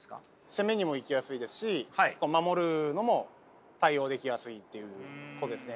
攻めにも行きやすいですし守るのも対応できやすいっていうことですね。